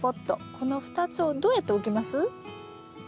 この２つをどうやって置きます？